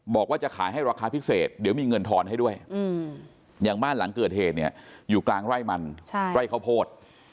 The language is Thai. บอกว่าจะขายให้ราคาพิเศษเดี๋ยวมีเงินทอนให้ด้วยอย่างบ้านหลังเกิดเหตุเนี่ยอยู่กลางไร่มันไร่ข้าวโพด